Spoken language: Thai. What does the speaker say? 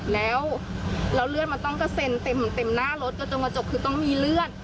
แล้วเลือดมันต้องกระเซ็นเต็มหน้ารถจนกระจกคือต้องมีเลือด